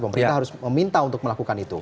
pemerintah harus meminta untuk melakukan itu